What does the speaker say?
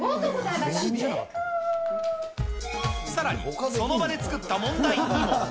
さらに、その場で作った問題にも。